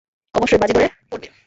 অবশ্যই, বাজি ধরে পরবে।